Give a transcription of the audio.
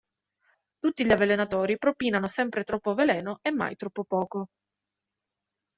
Tutti gli avvelenatori propinano sempre troppo veleno e mai troppo poco.